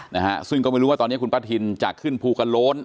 นะฮะซึ่งก็ไม่รู้ว่าตอนนี้คุณป้าทินจะขึ้นภูกระโล้น